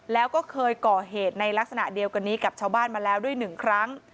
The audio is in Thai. แล้วก็เคยก่อเหตุในลักษณะเดียวกันนี้กับชาวบ้านมาแล้วด้วยหนึ่งครั้ง